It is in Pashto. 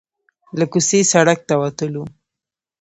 له کوڅې سړک ته وتلو.